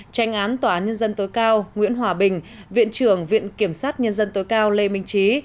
tranh án tòa án nhân dân tối cao nguyễn hòa bình viện trưởng viện kiểm sát nhân dân tối cao lê minh trí